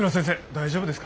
大丈夫ですか？